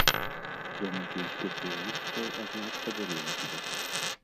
Думкі спецыялістаў, аднак, падзяліліся.